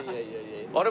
あれ？